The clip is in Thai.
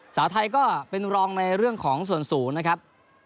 สาวไทยก็เป็นรองในเรื่องของส่วนสูงนะครับ